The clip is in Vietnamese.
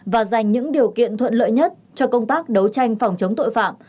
và dành những điều kiện thuận lợi nhất cho công tác đấu tranh phòng chống tội phạm